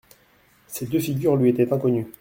Ces deux figures lui étaient inconnues.